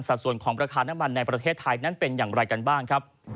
ส่วนของราคาน้ำมันในประเทศไทยนั้นเป็นอย่างไรกันบ้างครับ